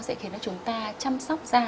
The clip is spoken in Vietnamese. sẽ khiến cho chúng ta chăm sóc da